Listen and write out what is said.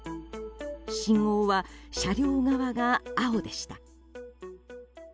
信号は車両側が青でした。